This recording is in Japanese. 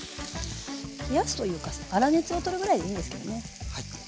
冷やすというか粗熱をとるぐらいでいいんですけどね。